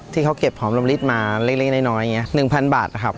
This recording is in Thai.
ที่เขาเก็บผมลมลิตมาเล็กได้น้อยนี่๑๐๐๐บาทครับ